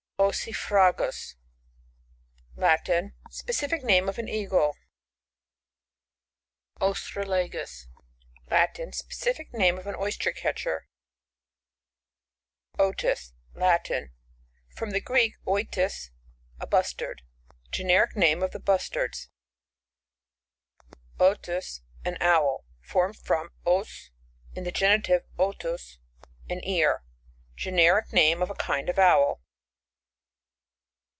OssiFRAGus. — Latin. Specific name of an cag'e. OsTRALPsus. — T.atm. Specific name of an Oyster Cntchcr. Otis. — Latin. From the Greek, ofM, a 6u{!tard. Generic name of the Bustards. Otus.— Fiom the Greik, otoSf an Owl ; formed from Ott», (in the genitive, otoit) an ear. Generic name of a kind of 0»vl.